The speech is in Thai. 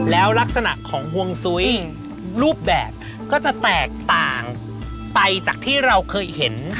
แล้วลักษณะของห่วงซุ้ยรูปแบบก็จะแตกต่างไปจากที่เราเคยเห็น